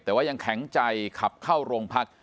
แต่ว่ายังแข็งใจขับเข้าโรงพัก